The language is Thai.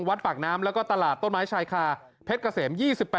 วัดปากน้ำแล้วก็ตลาดต้นไม้ชายคาเพชรเกษม๒๘